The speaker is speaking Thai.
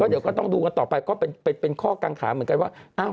เดี๋ยวก็ต้องดูกันต่อไปก็เป็นข้อกังขาเหมือนกันว่า